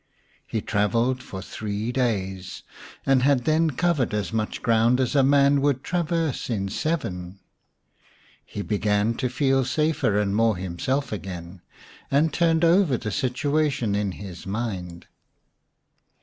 He travelled for three days, and had then covered as much ground as a man would traverse in seven. He began to feel safer and more himself again, and turned over the situation in his mind.